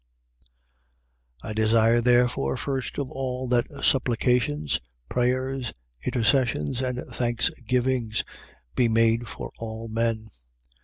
2:1. I desire therefore, first of all, that supplications, prayers, intercessions and thanksgivings be made for all men: 2:2.